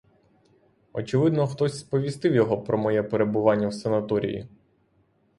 Очевидно, хтось сповістив його про моє перебування в санаторії.